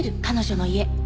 彼女の家。